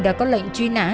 đã có lệnh truy nã